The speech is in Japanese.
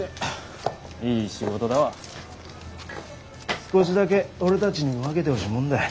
少しだけ俺たちにも分けてほしいもんだ。